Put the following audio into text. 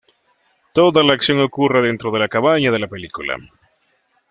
Toda la acción ocurre dentro de la cabaña de la película.